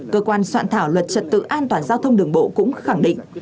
cơ quan soạn thảo luật trật tự an toàn giao thông đường bộ cũng khẳng định